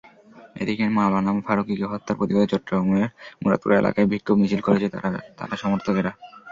এদিকে মাওলানা ফারুকীকে হত্যার প্রতিবাদে চট্টগ্রামের মুরাদপুর এলাকায় বিক্ষোভ মিছিল করেছে তাঁরা সমর্থকেরা।